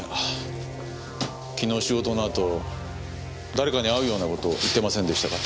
昨日仕事のあと誰かに会うような事を言ってませんでしたか？